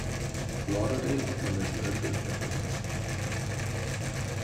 Lauderdale International Film Festivals".